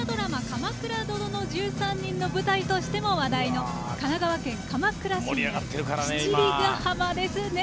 「鎌倉殿の１３人」の舞台としても話題の神奈川県鎌倉市の七里ガ浜です。